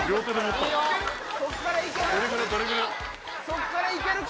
そこからいける？